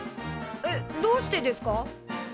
えっどうしてですか？